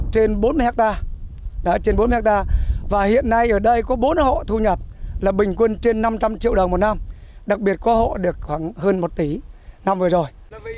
trên bốn mươi hectare và hiện nay ở đây có bốn hộ thu nhập là bình quân trên năm trăm linh triệu đồng một năm đặc biệt có hộ được khoảng hơn một tỷ năm vừa rồi